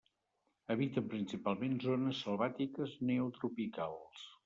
Habiten principalment zones selvàtiques neotropicals.